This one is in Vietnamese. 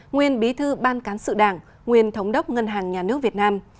nguyên bí thư ban cán sự đảng nguyên thống đốc ngân hàng nhà nước việt nam